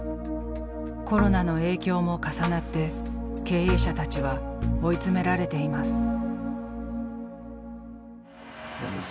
コロナの影響も重なって経営者たちは追い詰められています。